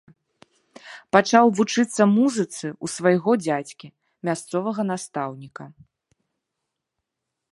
Пачаў вучыцца музыцы ў свайго дзядзькі, мясцовага настаўніка.